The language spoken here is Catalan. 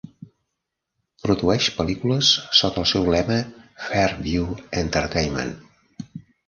Produeix pel·lícules sota el seu lema, Fairview Entertainment.